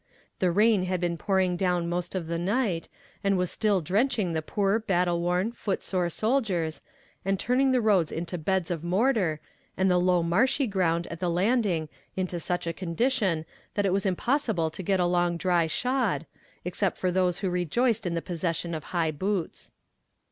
The rain had been pouring down most of the night, and was still drenching the poor battle worn, foot sore soldiers, and turning the roads into beds of mortar, and the low marshy ground at the Landing into such a condition that it was impossible to get along dry shod, except for those who rejoiced in the possession of high boots.